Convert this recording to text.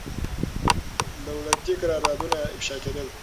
دولتي قراردادونه افشا کېدل.